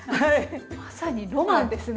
まさにロマンですね